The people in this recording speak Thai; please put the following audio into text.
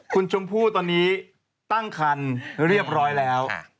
คุณชมพู่ตอนนี้ตั้งคันเรียบร้อยแล้ว